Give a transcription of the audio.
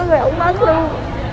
rồi ông mất luôn